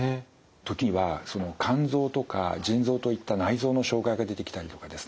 時には肝臓とか腎臓といった内臓の障害が出てきたりとかですね